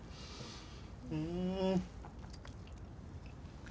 うん！